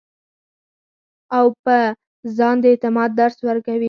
او پۀ ځان د اعتماد درس ورکوي -